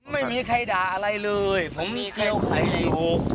ไม่มีใครด่าอะไรเลยผมเที่ยวใครอยู่